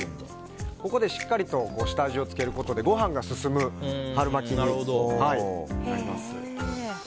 ここでしっかりと下味を付けることでご飯が進む春巻きになります。